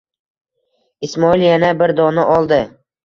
Ismoil yana bir dona oldi.